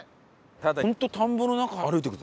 ホント田んぼの中歩いていくぞ。